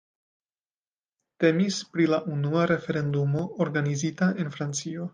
Temis pri la unua referendumo organizita en Francio.